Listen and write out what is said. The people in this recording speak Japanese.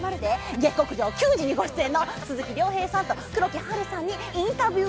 「下剋上球児」の鈴木亮平さんと黒木華さんにインタビュー。